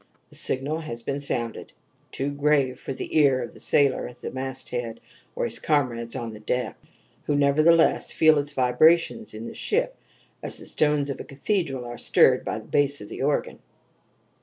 The signal has been sounded too grave for the ear of the sailor at the masthead and his comrades on the deck who nevertheless feel its vibrations in the ship as the stones of a cathedral are stirred by the bass of the organ.